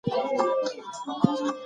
سالم خواړه د بدن وده چټکوي.